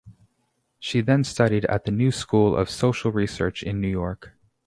She then studied at the New School of Social Research in New York.